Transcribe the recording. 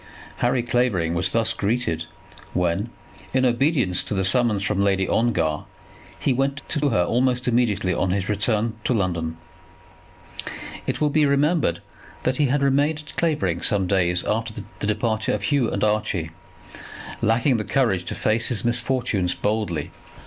Harry Clavering was thus greeted when in obedience to the summons from Lady Ongar, he went to her almost immediately on his return to London. It will be remembered that he had remained at Clavering some days after the departure of Hugh and Archie, lacking the courage to face his misfortunes boldly.